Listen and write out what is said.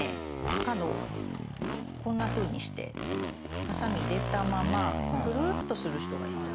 角をこんなふうにしてハサミ入れたままくるっとする人がいます。